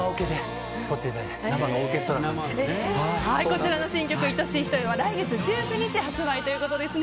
こちらの新曲「愛しい人よ」は来月１９日発売ということです。